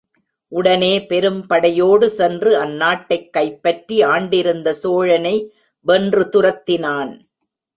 உடனே பெரும் படையோடு சென்று, அந்நாட்டைக் கைப்பற்றி ஆண்டிருந்த சோழனை வென்று துரத்தினான்.